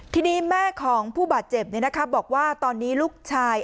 ทีนี้แม่ของผู้บาดเจ็บบอกว่าตอนนี้ลูกชาย